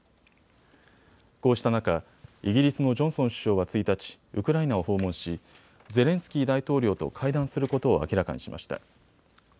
こうした中、イギリスのジョンソン首相は１日、ウクライナを訪問しゼレンスキー大統領と会談することを明らかにしました。